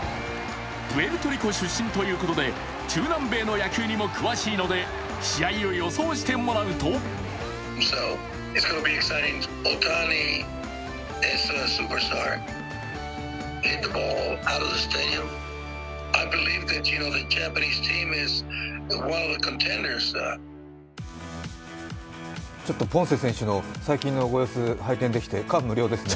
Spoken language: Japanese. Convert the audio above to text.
プエルトリコ出身ということで中南米の野球にも詳しいので試合を予想してもらうとちょっとポンセ選手の最近の様子拝見できて感無量ですね。